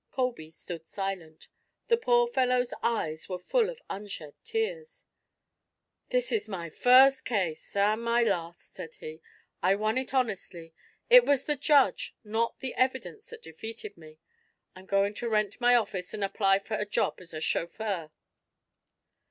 Colby stood silent. The poor fellow's eyes were full of unshed tears. "This is my first case, and my last," said he. "I won it honestly. It was the judge, not the evidence, that defeated me. I'm going to rent my office and apply for a job as a chauffeur."